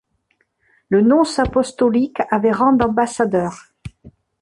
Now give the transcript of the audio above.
Le nonce apostolique avait rang d'ambassadeur.